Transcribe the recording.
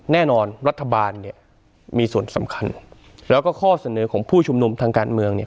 แน่นอนรัฐบาลเนี่ยมีส่วนสำคัญแล้วก็ข้อเสนอของผู้ชุมนุมทางการเมืองเนี่ย